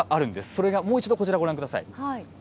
それがもう一度こちら、ご覧ください。